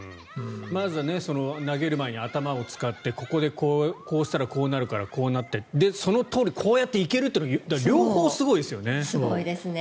まず投げる前に頭を使ってここで、こうしたらこうなるからこうなってそのとおりこうやって行けるというのがすごいですね。